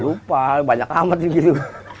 lupa banyak amat gitu